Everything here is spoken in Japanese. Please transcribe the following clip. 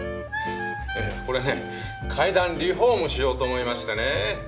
これね階段リフォームしようと思いましてね。